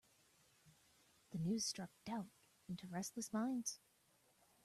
The news struck doubt into restless minds.